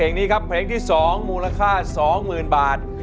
เพลงนี้ครับเพลงที่๒มูลค่า๒๐๐๐บาท